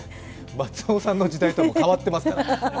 松尾さんの時代とは変わってますから。